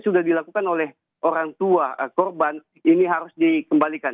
sudah dilakukan oleh orang tua korban ini harus dikembalikan